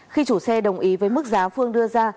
khi chủ xe đồng ý với mức giá phương đưa ra